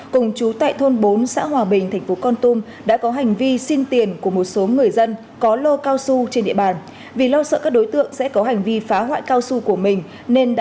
cùng chú tại thôn bốn xã hòa bình tp con tum đã có hành vi xin tiền